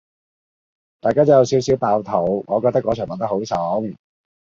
大家都有少少爆肚，我覺得果場拍得好爽